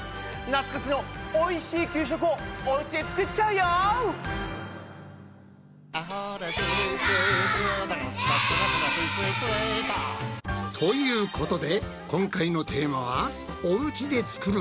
懐かしのおいしい給食をおうちで作っちゃうよ！ということで今回のテーマは「おうちで作る給食」だ。